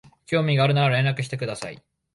興味があるなら連絡してください